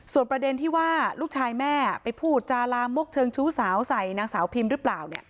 ส่วนประเด็นที่ว่าลูกชายแม่ไปพูดจาลามกเชิงชู้สาวใส่นางสาวพิมหรือเปล่า